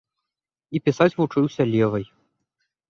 І пісаць вучыўся левай.